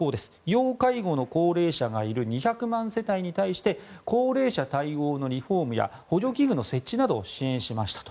要介護の高齢者がいる２００万世帯に対して高齢者対応のリフォームや補助器具の設置などを支援しましたと。